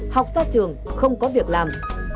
học sau trường không có việc làm